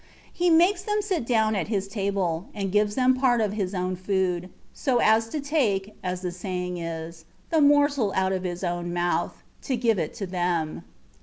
He makes them sit down at His table, and gives them part of his own food, so as to take (as the saying is) the morsel out of His own mouth, to give it to them.